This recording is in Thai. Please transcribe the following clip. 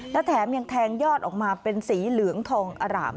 และแถมยังแทงยอดออกมาเป็นสีเหลืองทองอร่าม